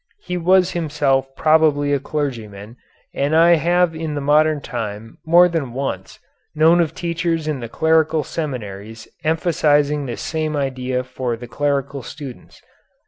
He was himself probably a clergyman, and I have in the modern time more than once known of teachers in the clerical seminaries emphasizing this same idea for the clerical students.